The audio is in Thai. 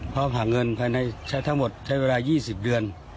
พร้อมหาเงินภายในใช้ทั้งหมดใช้เวลา๒๐เดือน